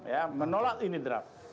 ya menolak ini draft